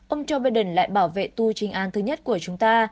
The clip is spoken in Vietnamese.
ông joe biden lại bảo vệ tu trinh an thứ nhất của chúng ta